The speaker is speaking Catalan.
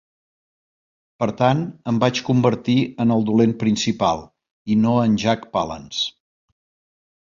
Per tant, em vaig convertir en el dolent principal, i no en Jack Palance.